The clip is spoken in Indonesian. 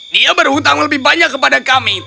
dia berhutang lebih banyak kepada kami